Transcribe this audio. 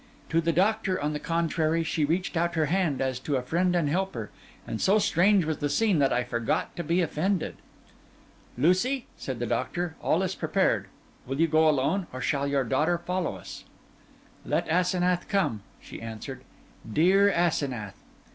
To the doctor, on the contrary, she reached out her hand as to a friend and helper; and so strange was the scene that I forgot to be offended. 'Lucy,' said the doctor, 'all is prepared. Will you go alone, or shall your daughter follow us?' 'Let Asenath come,' she answered, 'dear Asenath!